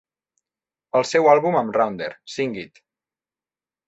El seu àlbum amb Rounder, Sing It!